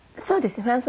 そうですね。